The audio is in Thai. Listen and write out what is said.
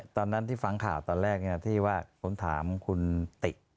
ตอนนั้นที่ฟังข่าวตอนแรกที่ว่าผมถามคุณติ